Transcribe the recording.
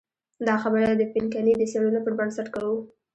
دا خبره د پینکني د څېړنو پر بنسټ کوو.